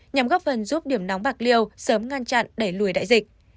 nhằm góp phần giúp điểm nóng bạc liêu sớm ngăn chặn đẩy lùi đại dịch